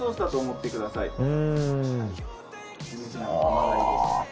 はい。